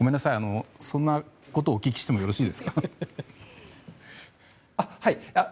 そんなことをお聞きしてもよろしいですか。